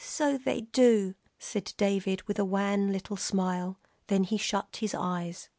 "So they do," said David, with a wan little smile. Then he shut his eyes.